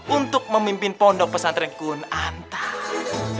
untuk memimpin pondok pesantren kunantang